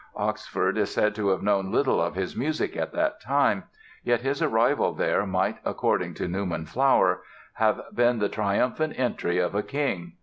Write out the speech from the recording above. Oxford is said to have known little of his music at that time. Yet his arrival there might, according to Newman Flower, "have been the triumphant entry of a king.